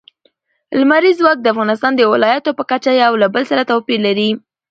لمریز ځواک د افغانستان د ولایاتو په کچه یو له بل سره توپیر لري.